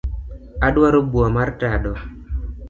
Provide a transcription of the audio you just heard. Aduaro bau mar tado